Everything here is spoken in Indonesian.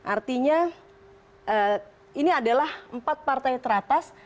artinya ini adalah empat partai teratas